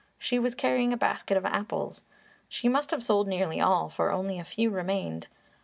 She was carrying a basket of apples. She must have sold nearly all, for only a few remained.